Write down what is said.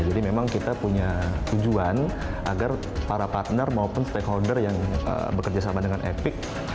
jadi memang kita punya tujuan agar para partner maupun stakeholder yang bekerja sama dengan epic